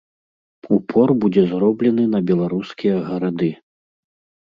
Упор будзе зроблены на беларускія гарады.